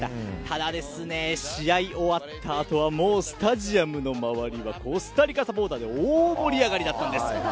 ただ、試合終わったあとはもうスタジアムの周りはコスタリカサポーターで大盛り上がりだったんです。